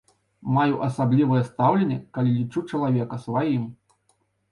Маю асаблівае стаўленне, калі лічу чалавека сваім.